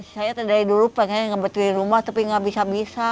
saya dari dulu pengen ngebetulin rumah tapi nggak bisa bisa